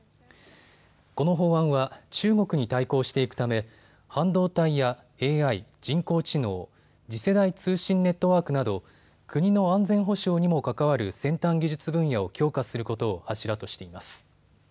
この法案は中国に対抗していくため半導体やＡＩ・人工知能、次世代通信ネットワークなど国の安全保障にも関わる先端技術分野を強化することを柱としています。